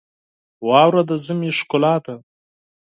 واوره د ژمي ښکلا ده.